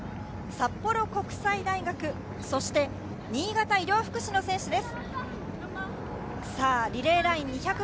札幌国際大学、新潟医療福祉の選手です。